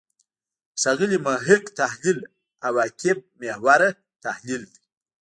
د ښاغلي محق تحلیل «عواقب محوره» تحلیل دی.